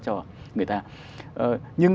cho người ta nhưng